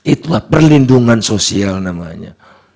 itulah perlindungan sosial namanya